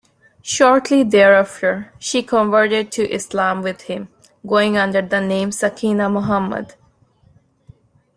Shortly thereafter, she converted to Islam with him, going under the name Sakinah Muhammad.